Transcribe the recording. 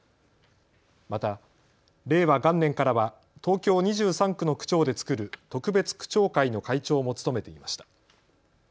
また令和元年からは東京２３区の区長で作る特別区長会の会長も務めていました。